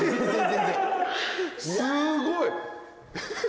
すごい。